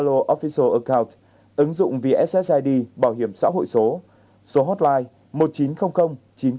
official account ứng dụng vssid bảo hiểm xã hội số số hotline một chín không không chín không sáu tám